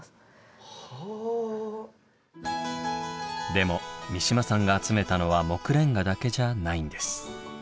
でも三島さんが集めたのは木レンガだけじゃないんです。